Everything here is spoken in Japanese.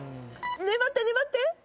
粘って粘って！